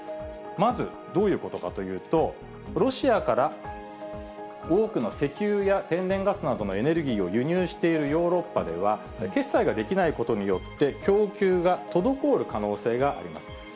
まずどういうことかというと、ロシアから多くの石油や天然ガスなどのエネルギーを輸入しているヨーロッパでは、決済ができないことによって、供給が滞る可能性があります。